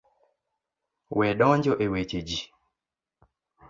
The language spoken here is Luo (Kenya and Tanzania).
We donjo e weche ji.